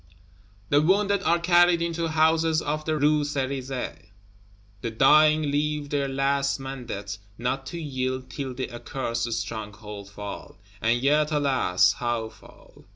The wounded are carried into houses of the Rue Cerisaie; the dying leave their last mandate not to yield till the accursed Stronghold fall. And yet, alas! how fall?